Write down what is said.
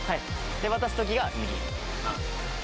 渡すときが右。